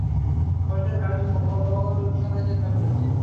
অবশেষে গাড়ি মোগলসরাইয়ে থামিল।